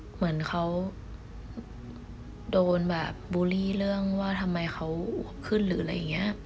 เหมือนเขาโดนแบบบูลลี่เรื่องว่าทำไมเขาขึ้นหรืออะไรอย่างนี้